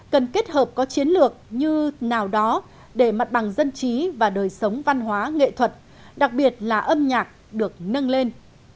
cần kết hợp có chiến lược như nào đó để mặt bằng dân trí và đời sống văn hóa nghệ thuật đặc biệt là âm nhạc được nâng lên